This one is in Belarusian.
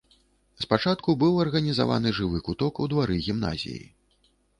Спачатку быў арганізаваны жывы куток ў двары гімназіі.